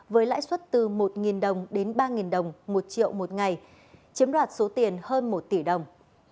với lãi suất từ một đồng đến ba đồng một triệu một ngày chiếm đoạt số tiền hơn một tỷ đồng